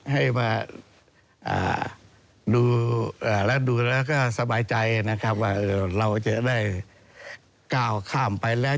ให้มาดูแล้วดูแล้วก็สบายใจนะครับว่าเราจะได้ก้าวข้ามไปแล้ว